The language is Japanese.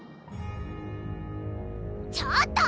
ちょっと！